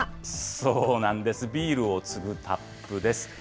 そうなんです、ビールをつぐタップです。